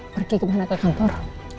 pergi kemana ke kantor